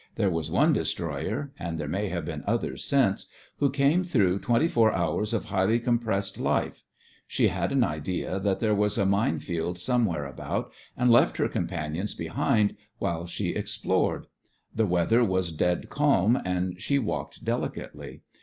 There was one destroyer (and there may have been others since) who came through twenty four hours of highly compressed life. She had an idea that there was a mine field somewhere about, and left her companions be hind while she explored. The THE FRINGES OF THE FLEET 93 weather was dead calm, and she walked delicately.